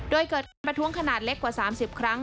โดยเกิดการประท้วงขนาดเล็กกว่า๓๐ครั้ง